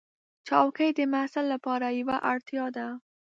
چوکۍ د محصل لپاره یوه اړتیا ده.